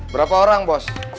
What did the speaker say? berapa orang bos